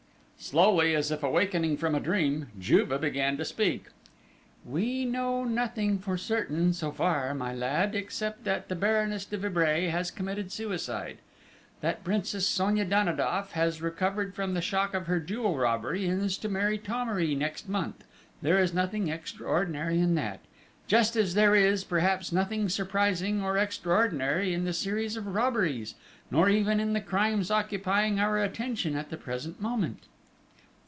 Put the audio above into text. Slowly, as if awakening from a dream, Juve began to speak. "We know nothing for certain so far, my lad, except that the Baroness de Vibray has committed suicide; that Princess Sonia Danidoff has recovered from the shock of her jewel robbery, and is to marry Thomery next month ... there is nothing extraordinary in that ... just as there is, perhaps, nothing surprising or extraordinary in the series of robberies, nor even in the crimes occupying our attention at the present moment!"